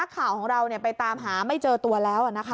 นักข่าวของเราเนี่ยไปตามหาไม่เจอตัวแล้วอะนะคะ